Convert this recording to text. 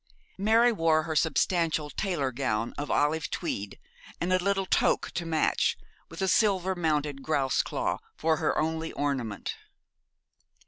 Mary wore her substantial tailor gown of olive tweed, and a little toque to match, with a silver mounted grouse claw for her only ornament.